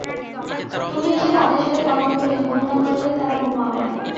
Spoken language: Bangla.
তুমি এসে তাদের সাথে কথা বলে ঘুম না পাড়ালে তারা ঘুমাবেনা।